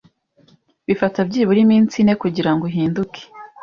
Bifata byibura iminsi ine kugirango uhinduke.